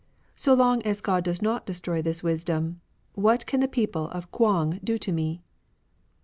So long as God does not destroy this wisdom, what can the people of K'uang do to me